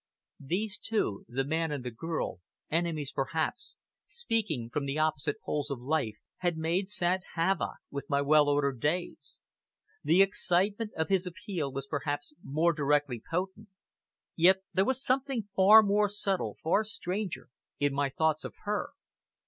These two, the man and the girl, enemies perhaps, speaking from the opposite poles of life, had made sad havoc with my well ordered days. The excitement of his appeal was perhaps more directly potent; yet there was something far more subtle, far stranger, in my thoughts of her.